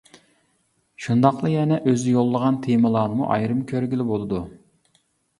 شۇنداقلا يەنە ئۆزى يوللىغان تېمىلارنىمۇ ئايرىم كۆرگىلى بولىدۇ.